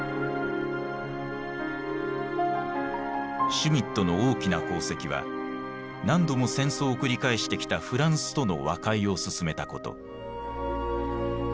シュミットの大きな功績は何度も戦争を繰り返してきたフランスとの和解を進めたこと。